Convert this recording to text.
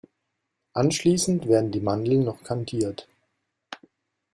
Anschließend werden die Mandeln noch kandiert.